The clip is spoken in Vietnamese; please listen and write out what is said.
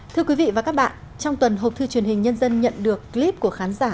thưa quý vị và các bạn trong tuần hộp thư truyền hình nhân dân nhận được clip của khán giả